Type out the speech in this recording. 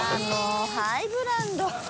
ハイブランド！